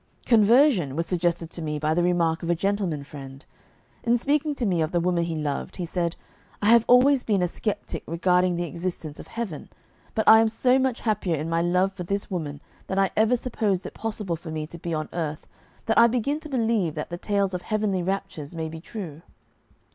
"Conversion" was suggested to me by the remark of a gentleman friend. In speaking to me of the woman he loved, he said: "I have always been a skeptic regarding the existence of heaven, but I am so much happier in my love for this woman than I ever supposed it possible for me to be on earth that I begin to believe that the tales of heavenly raptures may be true."